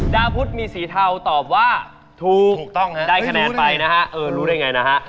พุทธมีสีเทาตอบว่าถูกต้องฮะได้คะแนนไปนะฮะเออรู้ได้ไงนะฮะ